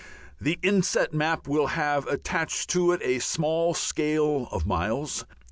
The inset map will have attached to it a small scale of miles.